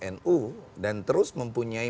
nu dan terus mempunyai